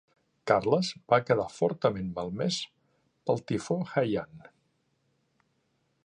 Carles va quedar fortament malmès pel tifó Haiyan.